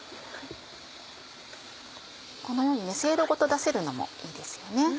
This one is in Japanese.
このようにセイロごと出せるのもいいですよね。